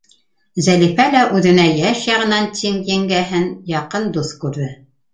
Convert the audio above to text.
Зәлифә лә үҙенә йәш яғынан тиң еңгәһен яҡын дуҫ күрҙе.